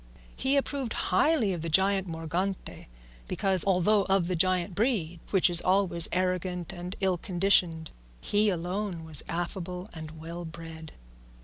He approved highly of the giant Morgante, because, although of the giant breed which is always arrogant and ill conditioned, he alone was affable and well bred.